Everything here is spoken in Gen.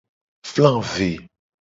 Fla ve.